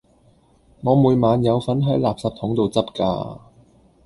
我每晚有份喺垃圾筒度執㗎